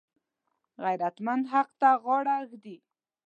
غیرتمند حق ته غاړه ږدي